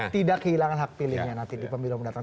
tidak kehilangan hak pilihnya nanti di pemilu yang datang